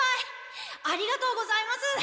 ありがとうございます。